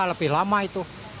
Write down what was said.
wah lebih lama itu